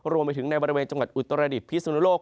รวมไปถึงในบริเวณจังหวัดอุตรดิษฐพิสุนโลก